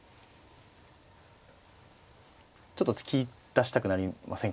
ちょっと突き出したくなりませんか？